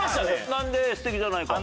なんで素敵じゃないかを。